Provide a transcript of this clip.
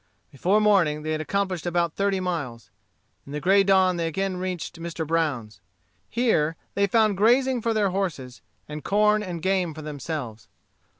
Before morning they had accomplished about thirty miles. In the grey dawn they again reached Mr. Brown's. Here they found grazing for their horses, and corn and game for them selves.